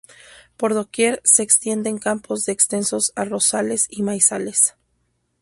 Por doquier se extienden campos de extensos arrozales y maizales.